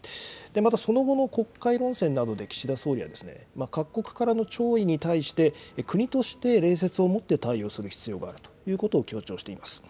またその後の国会論戦などで岸田総理は、各国からの弔意に対して、国として礼節をもって対応する必要があるということを強調しています。